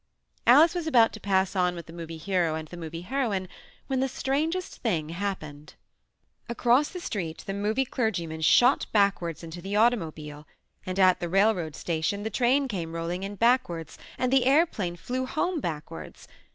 Alice was about to pass on with the Movie Hero and the Movie Heroine when the strangest thing happened. Across the street the Movie Clergyman shot backward into the automobile and at. the railroad station the train came rolling in backwards and the airplane flew home backwards.